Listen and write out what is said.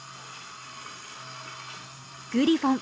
グリフォン